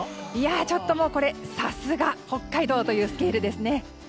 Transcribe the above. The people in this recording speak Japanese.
ちょっと、これさすが北海道というスケールですね。